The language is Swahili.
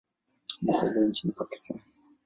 Amezaliwa nchini Pakistan.